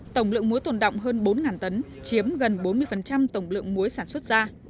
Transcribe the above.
tổng lượng muối tồn đọng hơn bốn tấn chiếm gần bốn mươi tổng lượng muối sản xuất ra